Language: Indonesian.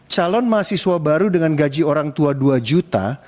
calon mahasiswa baru dengan gaji orang tua dua juta